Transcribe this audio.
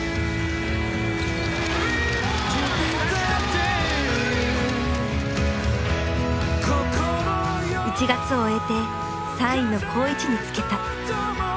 １月を終えて３位の好位置につけた。